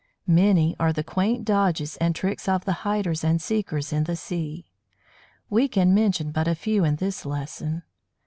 Many are the quaint dodges and tricks of the hiders and seekers in the sea. We can mention but a few in this lesson.